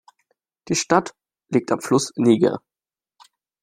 Die Stadt liegt am Fluss Niger.